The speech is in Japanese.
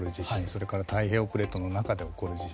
それから太平洋プレートの中で起こる地震